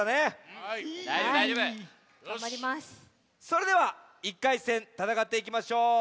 それでは１回戦たたかっていきましょう。